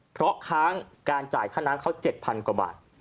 เพราะค้างการจ่ายค่าน้ำเขา๗๐๐กว่าบาท